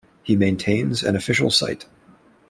He maintains an official site.